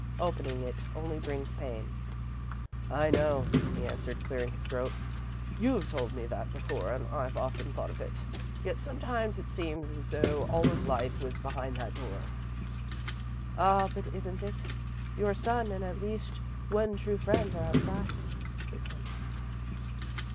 Opening it only brings pain." "I know," he answered, clearing his throat. "You've told me that before and I've often thought of it. Yet sometimes it seems as though all of life was behind that door." "Ah, but it isn't. Your son and at least one true friend are outside. Listen!"